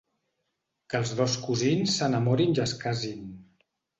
Que els dos cosins s'enamorin i es casin.